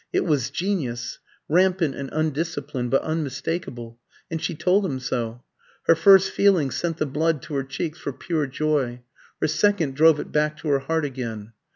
It was genius, rampant and undisciplined, but unmistakable; and she told him so. Her first feeling sent the blood to her cheeks for pure joy; her second drove it back to her heart again.